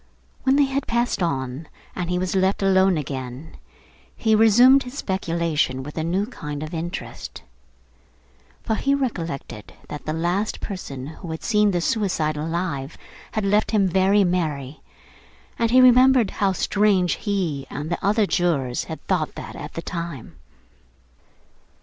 When they had passed on, and he was left alone again, he resumed his speculation with a new kind of interest; for he recollected that the last person who had seen the suicide alive, had left him very merry, and he remembered how strange he and the other jurors had thought that at the time.